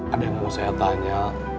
ada yang mau saya tanya